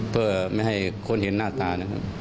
เพื่อไม่ให้คนเห็นหน้าตา